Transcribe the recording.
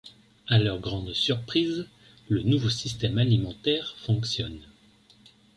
À leur grande surprise, le nouveau système alimentaire fonctionne.